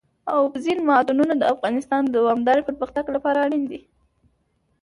اوبزین معدنونه د افغانستان د دوامداره پرمختګ لپاره اړین دي.